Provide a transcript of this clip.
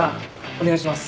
お願いします。